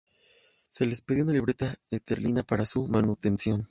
Se les pedía una libra esterlina para su manutención.